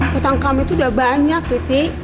hutang kami itu sudah banyak siti